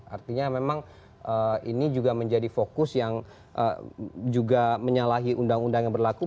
artinya memang ini juga menjadi fokus yang juga menyalahi undang undang yang berlaku